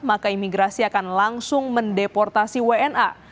maka imigrasi akan langsung mendeportasi wna